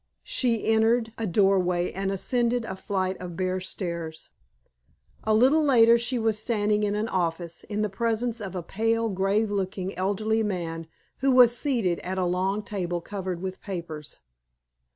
She entered a doorway and ascended a flight of bare stairs. A little later she was standing in an office, in the presence of a pale, grave looking, elderly man who was seated at a long table covered with papers.